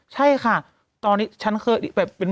ใช่ค่ะตอนนี้ฉันเคยเป็นผู้ป่วยนะ